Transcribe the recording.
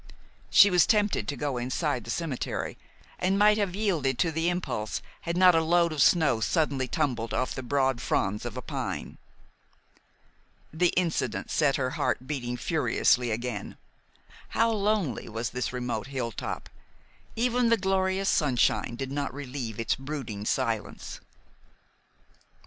She was tempted to go inside the cemetery, and might have yielded to the impulse had not a load of snow suddenly tumbled off the broad fronds of a pine. The incident set her heart beating furiously again. How lonely was this remote hilltop! Even the glorious sunshine did not relieve its brooding silence.